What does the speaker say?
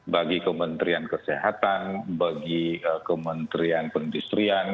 bagi kementerian kesehatan bagi kementerian penindustrian